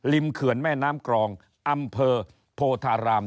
เขื่อนแม่น้ำกรองอำเภอโพธาราม